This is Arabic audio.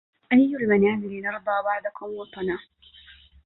أي المنازل نرضى بعدكم وطنا